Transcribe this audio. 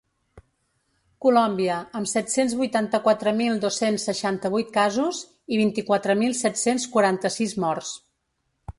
Colòmbia, amb set-cents vuitanta-quatre mil dos-cents seixanta-vuit casos i vint-i-quatre mil set-cents quaranta-sis morts.